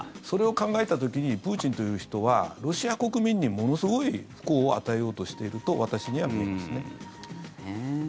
それを考えた時にプーチンという人はロシア国民にものすごい不幸を与えようとしていると私には見えますね。